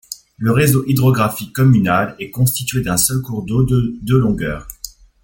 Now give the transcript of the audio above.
Le réseau hydrographique communal est constitué d'un seul cours d'eau de de longueur.